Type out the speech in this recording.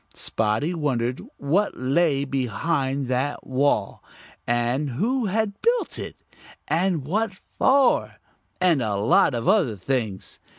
Spotty wondered what lay behind that wall, and who had built it, and what for, and a lot of other things.